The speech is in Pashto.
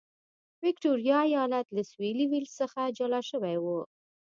ویکټوریا ایالت له سوېلي ویلز څخه جلا شوی و.